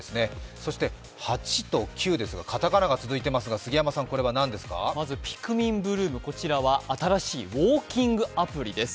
そして８と９ですが、片仮名が続いていますがＰｉｋｍｉｎＢｌｏｏｍ、こちらは新しいウォーキングアプリです。